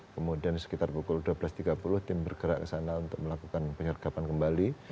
kemudian sekitar pukul dua belas tiga puluh tim bergerak ke sana untuk melakukan penyergapan kembali